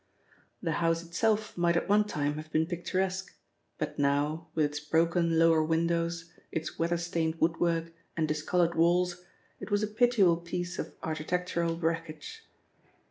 The house itself might at one time have been picturesque, but now, with its broken lower windows, its weather stained woodwork and discoloured walls, it was a pitiable piece of architectural wreckage.